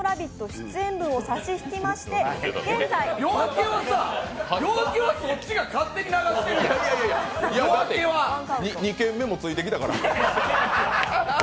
出演分を差し引きまして、現在「夜明け」はさ、そっちが勝手に流してる、２軒目もついてきたから。